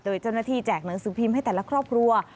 โดยเจ้าหน้าที่แจกหนังสือพิมพ์ให้แต่ละครอบครัว